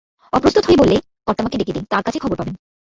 অপ্রস্তুত হয়ে বললে, কর্তা-মাকে ডেকে দিই, তাঁর কাছে খবর পাবেন।